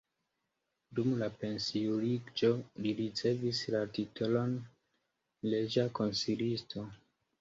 Dum la pensiuliĝo li ricevis la titolon reĝa konsilisto.